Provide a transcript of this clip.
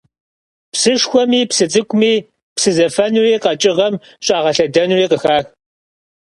Псышхуэми псы цӀыкӀуми псы зэфэнури къэкӀыгъэм щӏагъэлъэдэнури къыхах.